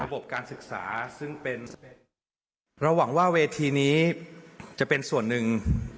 การศึกษาซึ่งเป็นเราหวังว่าเวทีนี้จะเป็นส่วนหนึ่ง